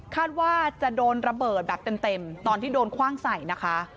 คาดว่าจะโดนระเบิดแบบเต็มตอนที่โดนคว่างใส่นะคะ